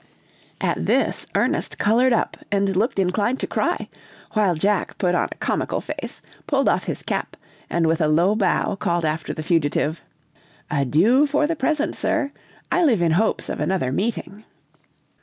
"At this, Ernest colored up, and looked inclined to cry, while Jack put on a comical face, pulled off his cap, and with a low bow, called after the fugitive: "'Adieu for the present, sir! I live in hopes of another meeting!'